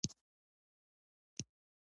د کانالونو جوړول ځمکې خړوبوي.